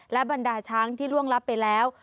และบรรดาช้างที่ล่วงลับไปแล้ว